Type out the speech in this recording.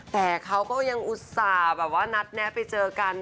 แต่เขาก็ยังอุตส่าห์แบบว่านัดแนะไปเจอกัน